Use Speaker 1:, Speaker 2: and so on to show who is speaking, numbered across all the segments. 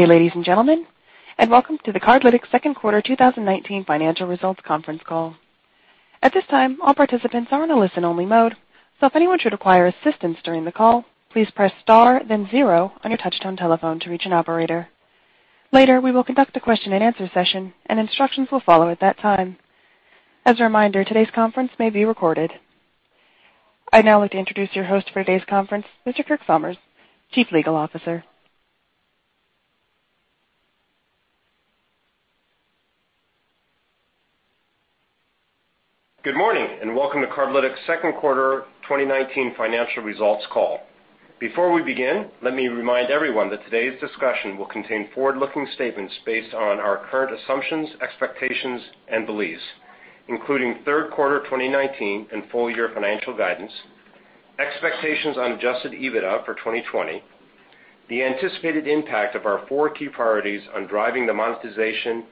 Speaker 1: Good day, ladies and gentlemen. Welcome to the Cardlytics second quarter 2019 financial results conference call. At this time, all participants are in a listen-only mode. If anyone should require assistance during the call, please press star then zero on your touch-tone telephone to reach an operator. Later, we will conduct a question and answer session. Instructions will follow at that time. As a reminder, today's conference may be recorded. I'd now like to introduce your host for today's conference, Mr. Kirk Somers, Chief Legal Officer.
Speaker 2: Good morning, welcome to Cardlytics' second quarter 2019 financial results call. Before we begin, let me remind everyone that today's discussion will contain forward-looking statements based on our current assumptions, expectations, and beliefs including third quarter 2019 and full year financial guidance, expectations on adjusted EBITDA for 2020, the anticipated impact of our four key priorities on driving the monetization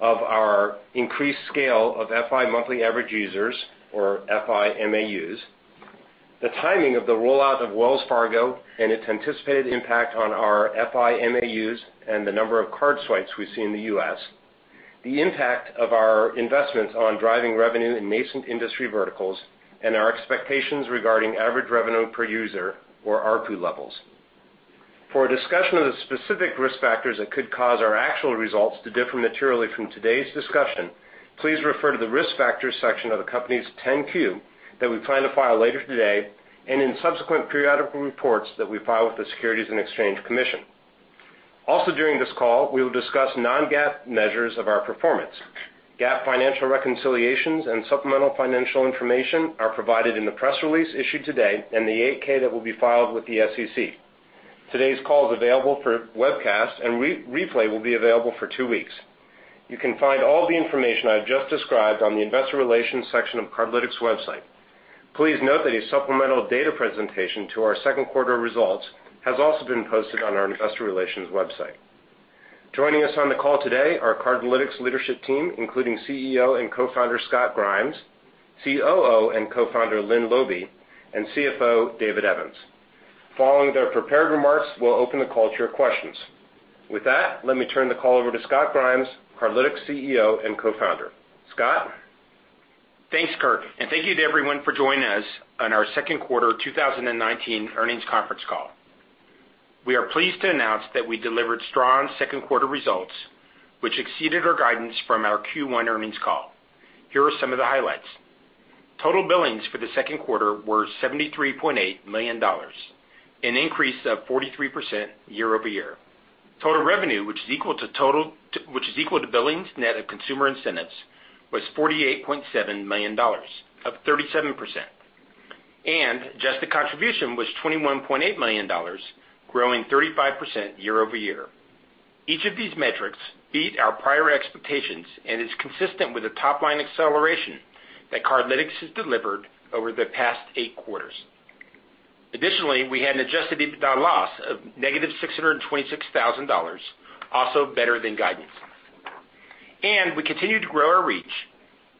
Speaker 2: of our increased scale of FI monthly average users or FI MAUs, the timing of the rollout of Wells Fargo and its anticipated impact on our FI MAUs and the number of card swipes we see in the U.S., the impact of our investments on driving revenue in nascent industry verticals, and our expectations regarding average revenue per user or ARPU levels. For a discussion of the specific risk factors that could cause our actual results to differ materially from today's discussion, please refer to the Risk Factors section of the company's 10-Q that we plan to file later today, and in subsequent periodical reports that we file with the Securities and Exchange Commission. Also during this call, we will discuss non-GAAP measures of our performance. GAAP financial reconciliations and supplemental financial information are provided in the press release issued today and the 8-K that will be filed with the SEC. Today's call is available for webcast, and replay will be available for two weeks. You can find all the information I've just described on the investor relations section of Cardlytics website. Please note that a supplemental data presentation to our second quarter results has also been posted on our investor relations website. Joining us on the call today are Cardlytics leadership team, including CEO and Co-Founder, Scott Grimes, COO and Co-Founder, Lynne Laube, and CFO, David Evans. Following their prepared remarks, we'll open the call to your questions. With that, let me turn the call over to Scott Grimes, Cardlytics CEO and Co-Founder. Scott?
Speaker 3: Thanks, Kirk. Thank you to everyone for joining us on our second quarter 2019 earnings conference call. We are pleased to announce that we delivered strong second-quarter results, which exceeded our guidance from our Q1 earnings call. Here are some of the highlights. Total billings for the second quarter were $73.8 million, an increase of 43% year-over-year. Total revenue, which is equal to billings net of consumer incentives, was $48.7 million, up 37%. Adjusted contribution was $21.8 million, growing 35% year-over-year. Each of these metrics beat our prior expectations and is consistent with the top-line acceleration that Cardlytics has delivered over the past eight quarters. Additionally, we had an adjusted EBITDA loss of negative $626,000, also better than guidance. We continued to grow our reach,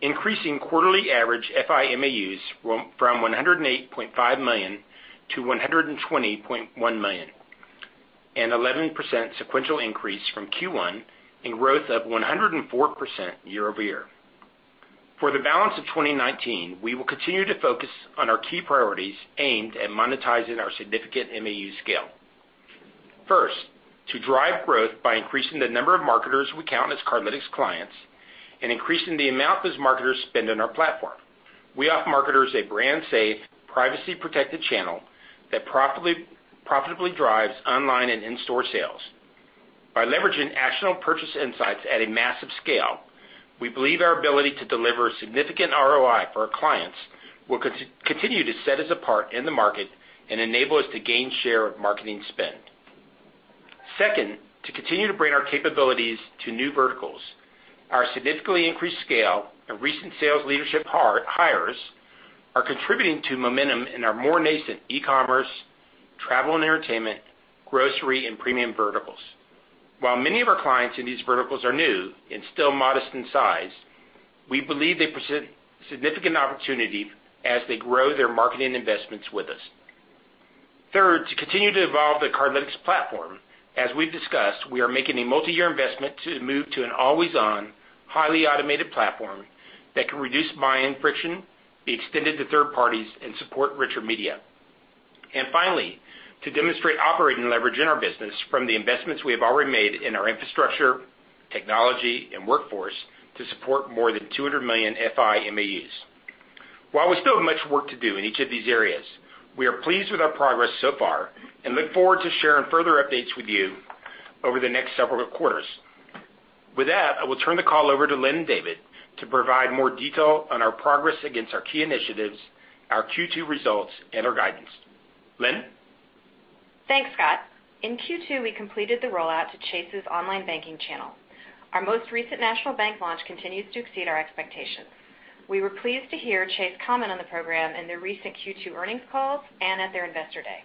Speaker 3: increasing quarterly average FI MAUs from $108.5 million to $120.1 million, an 11% sequential increase from Q1 and growth of 104% year-over-year. For the balance of 2019, we will continue to focus on our key priorities aimed at monetizing our significant MAU scale. First, to drive growth by increasing the number of marketers we count as Cardlytics clients and increasing the amount those marketers spend on our platform. We offer marketers a brand-safe, privacy-protected channel that profitably drives online and in-store sales. By leveraging actionable purchase insights at a massive scale, we believe our ability to deliver significant ROI for our clients will continue to set us apart in the market and enable us to gain share of marketing spend. Second, to continue to bring our capabilities to new verticals. Our significantly increased scale and recent sales leadership hires are contributing to momentum in our more nascent e-commerce, travel and entertainment, grocery, and premium verticals. While many of our clients in these verticals are new and still modest in size, we believe they present significant opportunity as they grow their marketing investments with us. Third, to continue to evolve the Cardlytics platform. As we've discussed, we are making a multi-year investment to move to an always-on, highly automated platform that can reduce buy-in friction, be extended to third parties, and support richer media. Finally, to demonstrate operating leverage in our business from the investments we have already made in our infrastructure, technology, and workforce to support more than 200 million FI MAUs. While we still have much work to do in each of these areas, we are pleased with our progress so far and look forward to sharing further updates with you over the next several quarters. With that, I will turn the call over to Lynne and David to provide more detail on our progress against our key initiatives, our Q2 results, and our guidance. Lynne?
Speaker 4: Thanks, Scott. In Q2, we completed the rollout to Chase's online banking channel. Our most recent national bank launch continues to exceed our expectations. We were pleased to hear Chase comment on the program in their recent Q2 earnings call and at their investor day.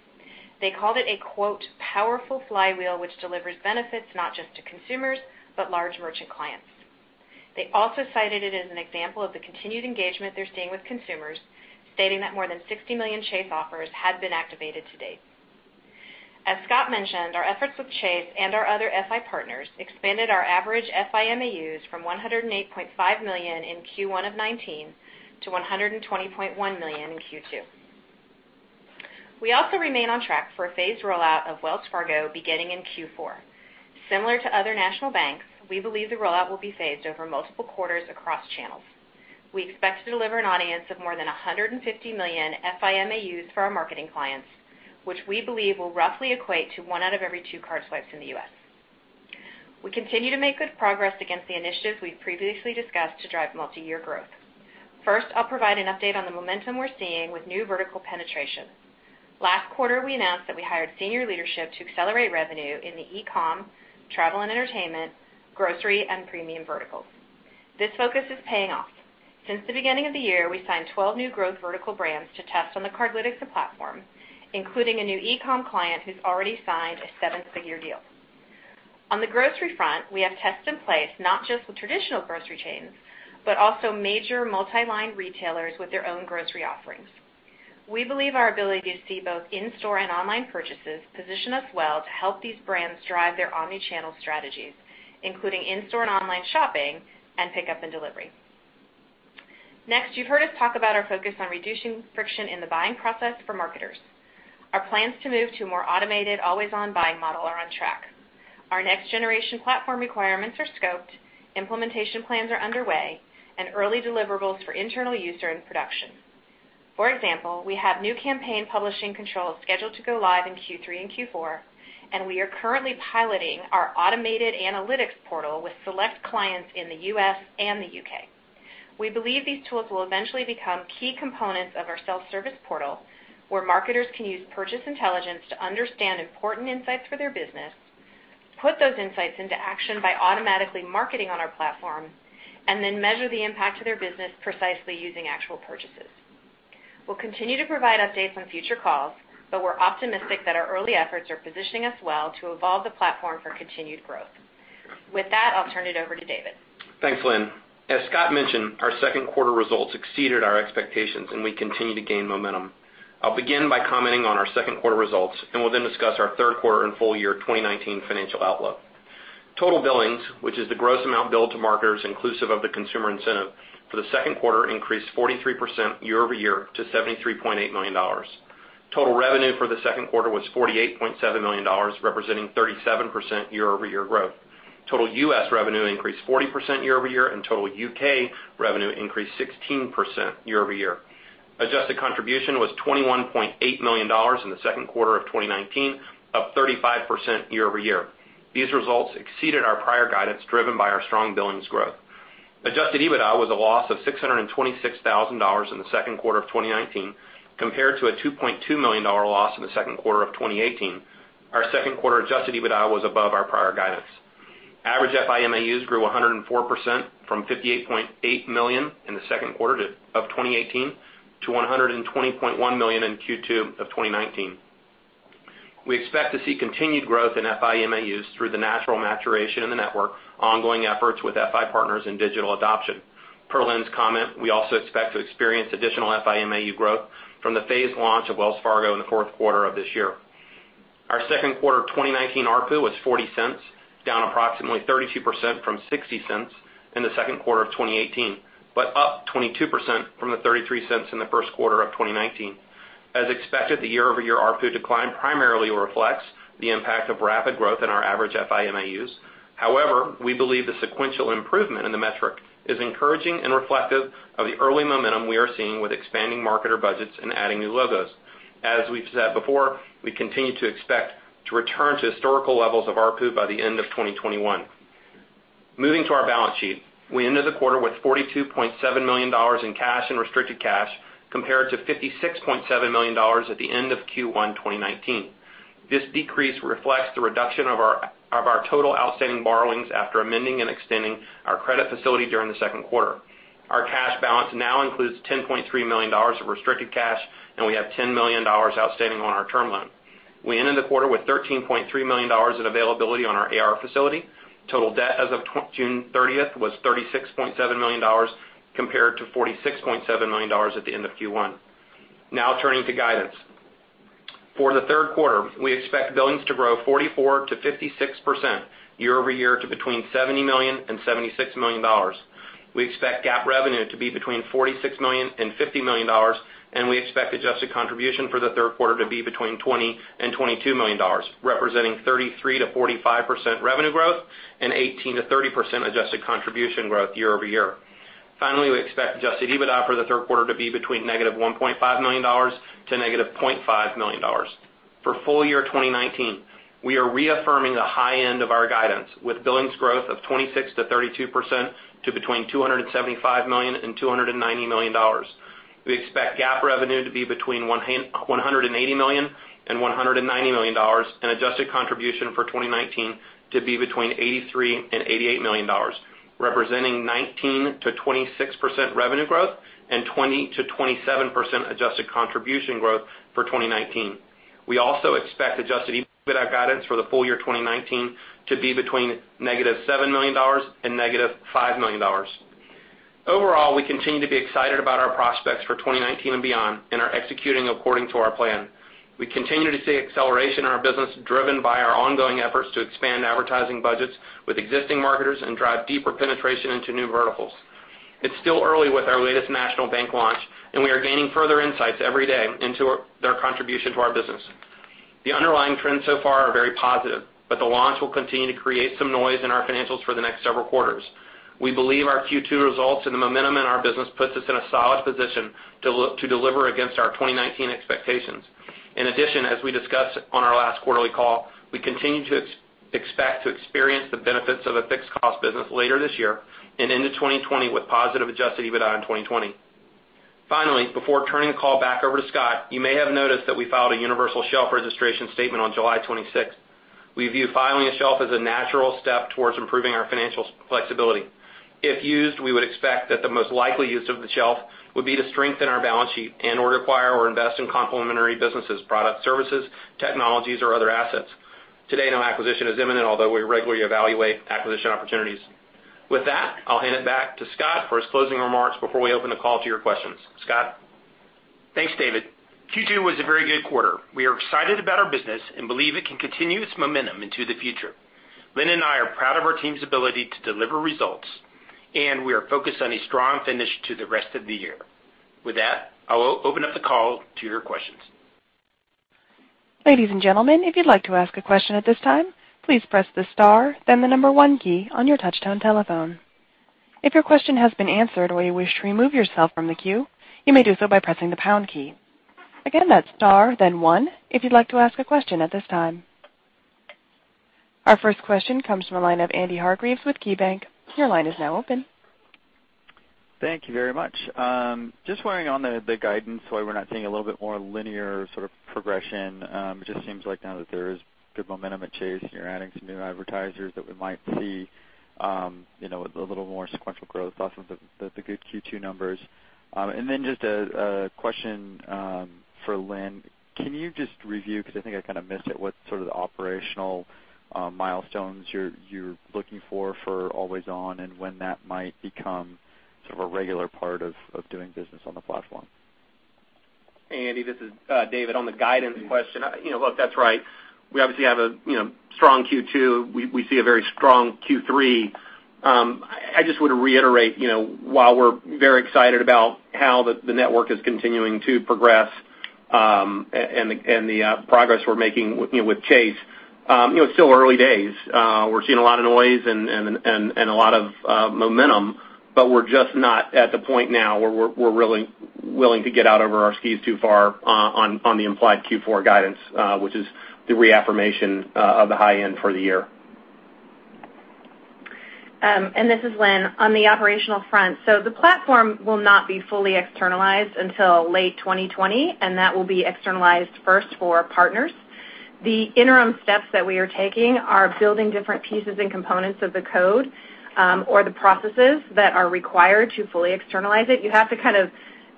Speaker 4: They called it a, quote, "powerful flywheel which delivers benefits not just to consumers, but large merchant clients. They also cited it as an example of the continued engagement they're seeing with consumers, stating that more than 60 million Chase offers had been activated to date. As Scott mentioned, our efforts with Chase and our other FI partners expanded our average FI MAUs from 108.5 million in Q1 of 2019 to 120.1 million in Q2. We also remain on track for a phased rollout of Wells Fargo beginning in Q4. Similar to other national banks, we believe the rollout will be phased over multiple quarters across channels. We expect to deliver an audience of more than 150 million FI MAUs for our marketing clients, which we believe will roughly equate to one out of every two card swipes in the U.S. We continue to make good progress against the initiatives we've previously discussed to drive multi-year growth. First, I'll provide an update on the momentum we're seeing with new vertical penetration. Last quarter, we announced that we hired senior leadership to accelerate revenue in the e-com, travel and entertainment, grocery, and premium verticals. This focus is paying off. Since the beginning of the year, we signed 12 new growth vertical brands to test on the Cardlytics platform, including a new e-com client who's already signed a seven-figure deal. On the grocery front, we have tests in place not just with traditional grocery chains, but also major multi-line retailers with their own grocery offerings. We believe our ability to see both in-store and online purchases position us well to help these brands drive their omni-channel strategies, including in-store and online shopping, and pickup and delivery. Next, you've heard us talk about our focus on reducing friction in the buying process for marketers. Our plans to move to a more automated always-on buying model are on track. Our next generation platform requirements are scoped, implementation plans are underway, and early deliverables for internal use are in production. For example, we have new campaign publishing controls scheduled to go live in Q3 and Q4, and we are currently piloting our automated analytics portal with select clients in the U.S. and the U.K. We believe these tools will eventually become key components of our self-service portal, where marketers can use purchase intelligence to understand important insights for their business, put those insights into action by automatically marketing on our platform, and then measure the impact to their business precisely using actual purchases. We'll continue to provide updates on future calls, but we're optimistic that our early efforts are positioning us well to evolve the platform for continued growth. With that, I'll turn it over to David.
Speaker 5: Thanks, Lynne. As Scott mentioned, our second quarter results exceeded our expectations, and we continue to gain momentum. I'll begin by commenting on our second quarter results and will then discuss our third quarter and full year 2019 financial outlook. Total billings, which is the gross amount billed to marketers inclusive of the consumer incentive, for the second quarter increased 43% year-over-year to $73.8 million. Total revenue for the second quarter was $48.7 million, representing 37% year-over-year growth. Total U.S. revenue increased 40% year-over-year, and total U.K. revenue increased 16% year-over-year. Adjusted contribution was $21.8 million in the second quarter of 2019, up 35% year-over-year. These results exceeded our prior guidance, driven by our strong billings growth. Adjusted EBITDA was a loss of $626,000 in the second quarter of 2019, compared to a $2.2 million loss in the second quarter of 2018. Our second quarter adjusted EBITDA was above our prior guidance. Average FI MAUs grew 104%, from 58.8 million in the second quarter of 2018 to 120.1 million in Q2 of 2019. We expect to see continued growth in FI MAUs through the natural maturation in the network, ongoing efforts with FI partners, and digital adoption. Per Lynne's comment, we also expect to experience additional FI MAU growth from the phased launch of Wells Fargo in the fourth quarter of this year. Our second quarter 2019 ARPU was $0.40, down approximately 32% from $0.60 in the second quarter of 2018, but up 22% from the $0.33 in the first quarter of 2019. As expected, the year-over-year ARPU decline primarily reflects the impact of rapid growth in our average FI MAUs. However, we believe the sequential improvement in the metric is encouraging and reflective of the early momentum we are seeing with expanding marketer budgets and adding new logos. As we've said before, we continue to expect to return to historical levels of ARPU by the end of 2021. Moving to our balance sheet. We ended the quarter with $42.7 million in cash and restricted cash, compared to $56.7 million at the end of Q1 2019. This decrease reflects the reduction of our total outstanding borrowings after amending and extending our credit facility during the second quarter. Our cash balance now includes $10.3 million of restricted cash, and we have $10 million outstanding on our term loan. We ended the quarter with $13.3 million in availability on our AR facility. Total debt as of June 30th was $36.7 million, compared to $46.7 million at the end of Q1. Turning to guidance. For the third quarter, we expect billings to grow 44%-56% year-over-year to between $70 million and $76 million. We expect GAAP revenue to be between $46 million and $50 million, we expect adjusted contribution for the third quarter to be between $20 million and $22 million, representing 33%-45% revenue growth and 18%-30% adjusted contribution growth year-over-year. Finally, we expect adjusted EBITDA for the third quarter to be between negative $1.5 million and negative $0.5 million. For full year 2019, we are reaffirming the high end of our guidance with billings growth of 26%-32% to between $275 million and $290 million. We expect GAAP revenue to be between $180 million and $190 million and adjusted contribution for 2019 to be between $83 million and $88 million, representing 19%-26% revenue growth and 20%-27% adjusted contribution growth for 2019. We also expect adjusted EBITDA guidance for the full year 2019 to be between negative $7 million and negative $5 million. Overall, we continue to be excited about our prospects for 2019 and beyond and are executing according to our plan. We continue to see acceleration in our business, driven by our ongoing efforts to expand advertising budgets with existing marketers and drive deeper penetration into new verticals. It's still early with our latest national bank launch, and we are gaining further insights every day into their contribution to our business. The underlying trends so far are very positive, but the launch will continue to create some noise in our financials for the next several quarters. We believe our Q2 results and the momentum in our business puts us in a solid position to deliver against our 2019 expectations. In addition, as we discussed on our last quarterly call, we continue to expect to experience the benefits of a fixed cost business later this year and into 2020 with positive adjusted EBITDA in 2020. Finally, before turning the call back over to Scott, you may have noticed that we filed a universal shelf registration statement on July 26th. We view filing a shelf as a natural step towards improving our financial flexibility. If used, we would expect that the most likely use of the shelf would be to strengthen our balance sheet and/or acquire or invest in complementary businesses, product services, technologies, or other assets. Today, no acquisition is imminent, although we regularly evaluate acquisition opportunities. With that, I'll hand it back to Scott for his closing remarks before we open the call to your questions. Scott?
Speaker 3: Thanks, David. Q2 was a very good quarter. We are excited about our business and believe it can continue its momentum into the future. Lynne and I are proud of our team's ability to deliver results, and we are focused on a strong finish to the rest of the year. With that, I will open up the call to your questions.
Speaker 1: Ladies and gentlemen, if you'd like to ask a question at this time, please press the star then the number one key on your touch-tone telephone. If your question has been answered or you wish to remove yourself from the queue, you may do so by pressing the pound key. Again, that's star then one if you'd like to ask a question at this time. Our first question comes from the line of Andy Hargreaves with KeyBanc. Your line is now open.
Speaker 6: Thank you very much. Just weighing on the guidance, why we're not seeing a little bit more linear sort of progression. It just seems like now that there is good momentum at Chase and you're adding some new advertisers that we might see a little more sequential growth off of the good Q2 numbers. Just a question for Lynne. Can you just review, because I think I kind of missed it, what sort of the operational milestones you're looking for Always On and when that might become sort of a regular part of doing business on the platform?
Speaker 5: Andy, this is David. On the guidance question, look, that's right. We obviously have a strong Q2. We see a very strong Q3. I just would reiterate, while we're very excited about how the network is continuing to progress and the progress we're making with Chase, it's still early days. We're seeing a lot of noise and a lot of momentum. We're just not at the point now where we're willing to get out over our skis too far on the implied Q4 guidance, which is the reaffirmation of the high end for the year.
Speaker 4: This is Lynne. On the operational front, the platform will not be fully externalized until late 2020, and that will be externalized first for partners. The interim steps that we are taking are building different pieces and components of the code, or the processes that are required to fully externalize it. You have to kind of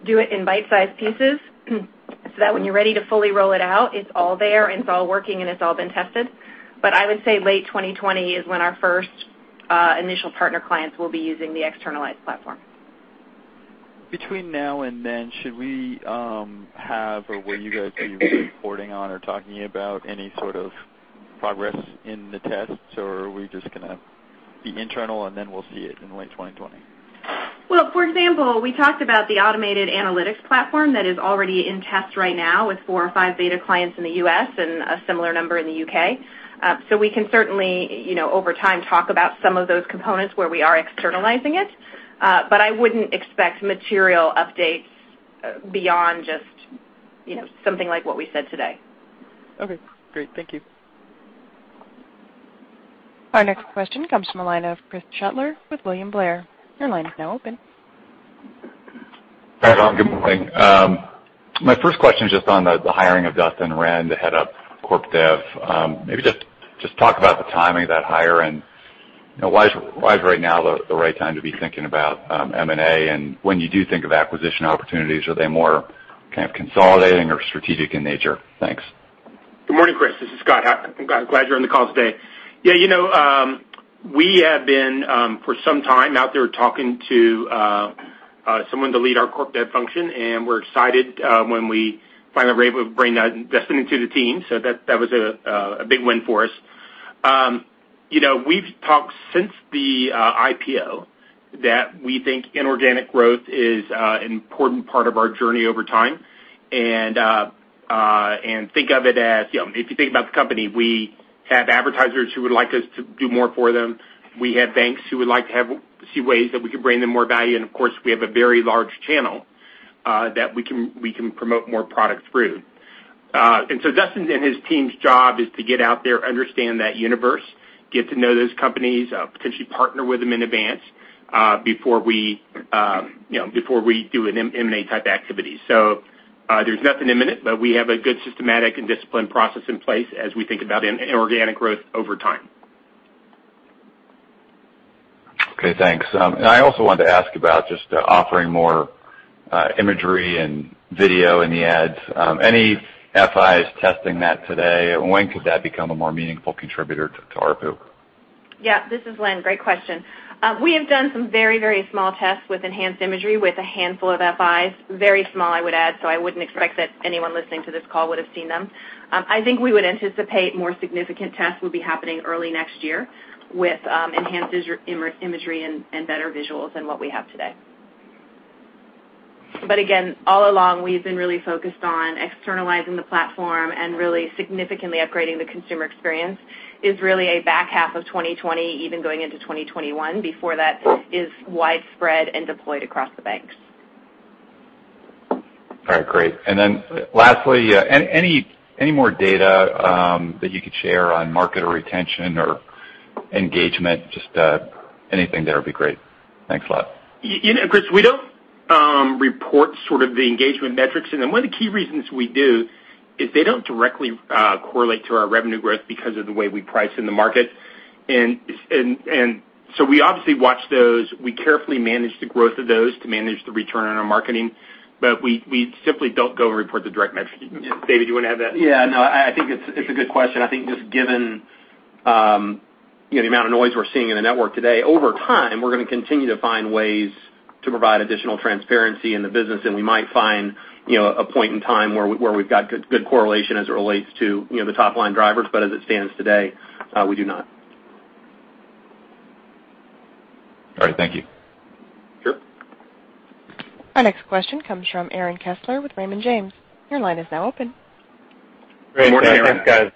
Speaker 4: do it in bite-sized pieces so that when you're ready to fully roll it out, it's all there and it's all working and it's all been tested. I would say late 2020 is when our first initial partner clients will be using the externalized platform.
Speaker 6: Between now and then, should we have, or will you guys be reporting on or talking about any sort of progress in the tests? Are we just going to be internal and then we'll see it in late 2020?
Speaker 4: Well, for example, we talked about the automated analytics platform that is already in test right now with four or five beta clients in the U.S. and a similar number in the U.K. We can certainly, over time, talk about some of those components where we are externalizing it. I wouldn't expect material updates beyond just something like what we said today.
Speaker 6: Okay, great. Thank you.
Speaker 1: Our next question comes from the line of Chris Shutler with William Blair. Your line is now open.
Speaker 7: Hi, all. Good morning. My first question is just on the hiring of Dustin Renn to head up corp dev. Maybe just talk about the timing of that hire and why is right now the right time to be thinking about M&A? When you do think of acquisition opportunities, are they more kind of consolidating or strategic in nature? Thanks.
Speaker 3: Good morning, Chris. This is Scott. I'm glad you're on the call today. We have been, for some time, out there talking to someone to lead our corp dev function, and we're excited when we finally were able to bring Dustin into the team. That was a big win for us. We've talked since the IPO that we think inorganic growth is an important part of our journey over time. Think of it as, if you think about the company, we have advertisers who would like us to do more for them. We have banks who would like to see ways that we can bring them more value. Of course, we have a very large channel that we can promote more products through. Dustin and his team's job is to get out there, understand that universe, get to know those companies, potentially partner with them in advance before we do an M&A type activity. There's nothing imminent, but we have a good systematic and disciplined process in place as we think about inorganic growth over time.
Speaker 7: Okay, thanks. I also wanted to ask about just offering more imagery and video in the ads. Any FIs testing that today? When could that become a more meaningful contributor to ARPU?
Speaker 4: Yeah, this is Lynne. Great question. We have done some very small tests with enhanced imagery with a handful of FIs. Very small, I would add, so I wouldn't expect that anyone listening to this call would've seen them. I think we would anticipate more significant tests will be happening early next year with enhanced imagery and better visuals than what we have today. Again, all along, we've been really focused on externalizing the platform and really significantly upgrading the consumer experience is really a back half of 2020, even going into 2021, before that is widespread and deployed across the banks.
Speaker 7: All right, great. Then lastly, any more data that you could share on market or retention or engagement, just anything there would be great. Thanks a lot.
Speaker 3: Chris, we don't report the engagement metrics, and then one of the key reasons we do is they don't directly correlate to our revenue growth because of the way we price in the market. We obviously watch those. We carefully manage the growth of those to manage the return on our marketing. We simply don't go and report the direct metrics. David, do you want to add that? Yeah, no, I think it's a good question. I think just given the amount of noise we're seeing in the network today, over time, we're going to continue to find ways to provide additional transparency in the business, and we might find a point in time where we've got good correlation as it relates to the top-line drivers. As it stands today, we do not.
Speaker 7: All right, thank you.
Speaker 3: Sure.
Speaker 1: Our next question comes from Aaron Kessler with Raymond James. Your line is now open.
Speaker 3: Morning, Aaron.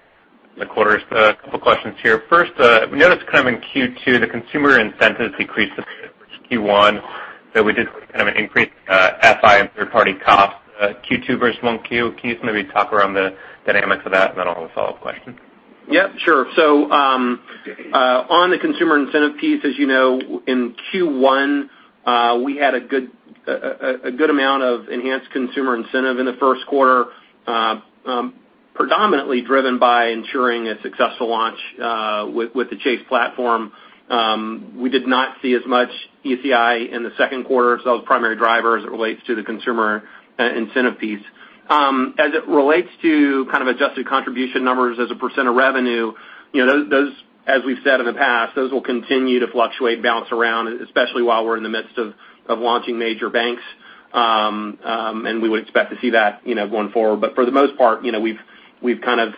Speaker 8: Morning.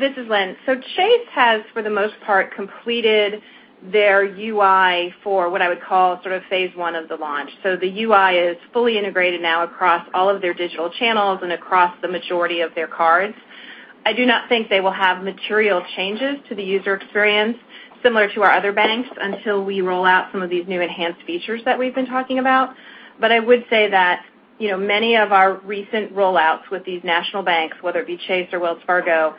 Speaker 4: This is Lynne. Chase has, for the most part, completed their UI for what I would call phase one of the launch. The UI is fully integrated now across all of their digital channels and across the majority of their cards. I do not think they will have material changes to the user experience similar to our other banks until we roll out some of these new enhanced features that we've been talking about. I would say that many of our recent rollouts with these national banks, whether it be Chase or Wells Fargo,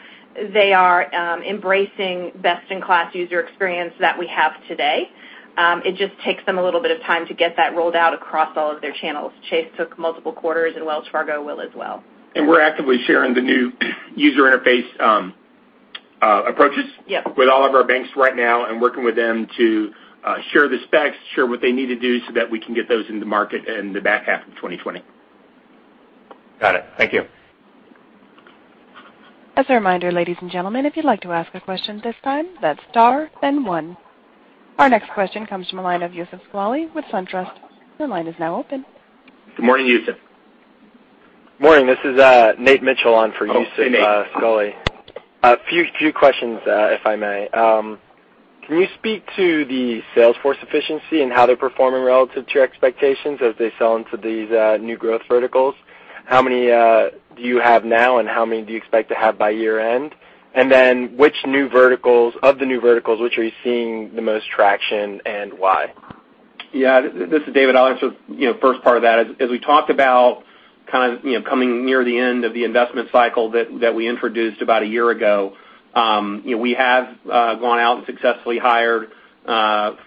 Speaker 4: they are embracing best-in-class user experience that we have today. It just takes them a little bit of time to get that rolled out across all of their channels. Chase took multiple quarters, and Wells Fargo will as well.
Speaker 3: We're actively sharing the new user interface approaches.
Speaker 4: Yeah
Speaker 3: with all of our banks right now and working with them to share the specs, share what they need to do so that we can get those into market in the back half of 2020.
Speaker 8: Got it. Thank you.
Speaker 1: As a reminder, ladies and gentlemen, if you'd like to ask a question at this time, that's star then one. Our next question comes from the line of Youssef Squali with SunTrust. Your line is now open.
Speaker 3: Good morning, Youssef.
Speaker 9: Morning. This is Nate Mitchell on for Youssef Squali.
Speaker 3: Oh, hey, Nate.
Speaker 9: A few questions, if I may. Can you speak to the sales force efficiency and how they're performing relative to your expectations as they sell into these new growth verticals? How many do you have now, and how many do you expect to have by year-end? Of the new verticals, which are you seeing the most traction and why?
Speaker 5: Yeah. This is David. I'll answer the first part of that. As we talked about coming near the end of the investment cycle that we introduced about a year ago, we have gone out and successfully hired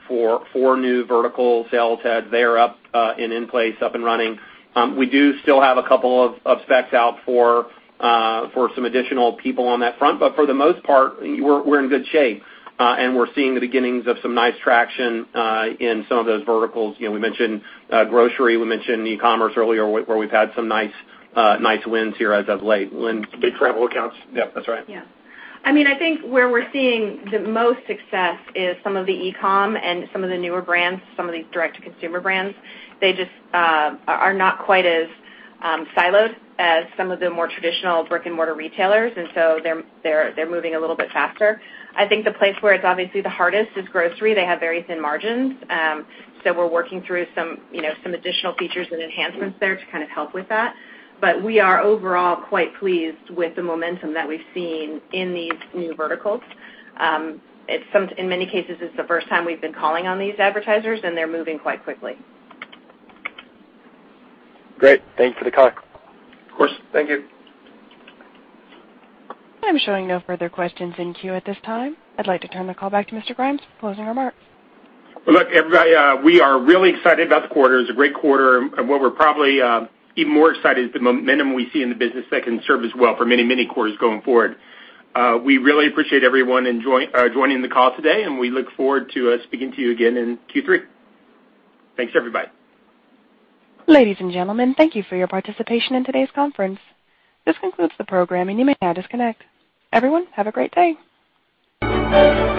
Speaker 5: four new vertical sales heads. They're up and in place, up and running. We do still have a couple of specs out for some additional people on that front. For the most part, we're in good shape. We're seeing the beginnings of some nice traction in some of those verticals. We mentioned grocery, we mentioned e-commerce earlier, where we've had some nice wins here as of late. Lynne?
Speaker 4: Big travel accounts.
Speaker 3: Yep, that's right.
Speaker 4: I think where we're seeing the most success is some of the e-com and some of the newer brands, some of these direct-to-consumer brands. They just are not quite as siloed as some of the more traditional brick-and-mortar retailers, they're moving a little bit faster. I think the place where it's obviously the hardest is grocery. They have very thin margins. We're working through some additional features and enhancements there to help with that. We are overall quite pleased with the momentum that we've seen in these new verticals. In many cases, it's the first time we've been calling on these advertisers, they're moving quite quickly.
Speaker 9: Great. Thanks for the color.
Speaker 3: Of course. Thank you.
Speaker 1: I'm showing no further questions in queue at this time. I'd like to turn the call back to Mr. Grimes for closing remarks.
Speaker 3: Well, look, everybody, we are really excited about the quarter. It's a great quarter. What we're probably even more excited is the momentum we see in the business that can serve us well for many quarters going forward. We really appreciate everyone joining the call today, and we look forward to speaking to you again in Q3. Thanks, everybody.
Speaker 1: Ladies and gentlemen, thank you for your participation in today's conference. This concludes the program, and you may now disconnect. Everyone, have a great day.